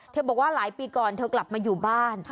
บอกว่าหลายปีก่อนเธอกลับมาอยู่บ้าน